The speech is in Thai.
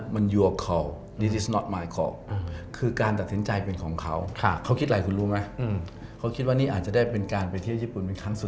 มันต้องหมายไว้ในใจต้องรู้